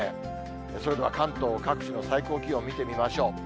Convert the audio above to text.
それでは関東各地の最高気温を見てみましょう。